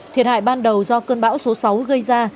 thiệt hại ban đầu do cơn bão số sáu gây ra